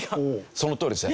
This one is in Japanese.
そのとおりですね。